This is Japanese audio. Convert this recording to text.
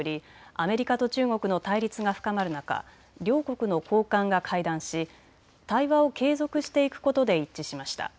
アメリカと中国の対立が深まる中、両国の高官が会談し対話を継続していくことで一致しました。